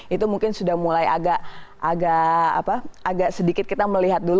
itu mungkin sudah mulai agak sedikit kita melihat dulu